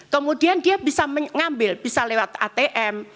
kemudian dia bisa mengambil bisa lewat atm